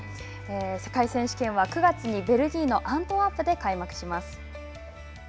世界選手権は９月にベルギーのアントワープで開幕します。